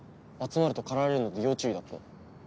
集まると狩られるので要注意」だって。